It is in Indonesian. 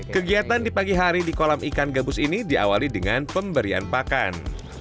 kegiatan di pagi hari di kolam ikan gabus ini diawali dengan pemberian pakan